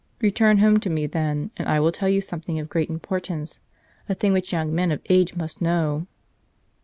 Return home to me then and I will tell you something of great importance, a thing which young men of age must know."